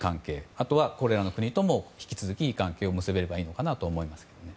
あとは、これらの国とも引き続き、いい関係を結べばいいと思います。